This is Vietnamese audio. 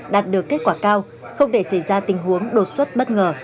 đạt được kết quả cao không để xảy ra tình huống đột xuất bất ngờ